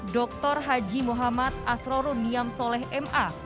dr haji muhammad asroro niamsoleh ma